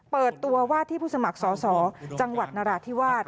เปิดตัวว่าที่ผู้สมัครสอสอจังหวัดนราธิวาส